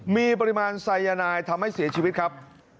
มีปริมาณไซยานายทำให้เสียชีวิตครับ